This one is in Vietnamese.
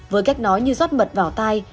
với cách nói như rót mật vào tai